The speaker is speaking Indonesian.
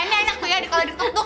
kayaknya enak tuh ya kalo ditutuk